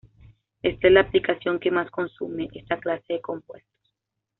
Esta es la aplicación que más consume esta clase de compuestos.